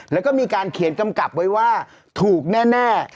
แล้วก็มีการเขียนกำกับไว้ว่าถูกแน่